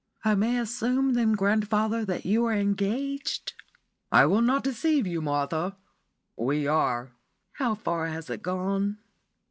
"I may assume, then, grandfather, that you are engaged?" "I will not deceive you, Martha; we are." "How far has it gone?"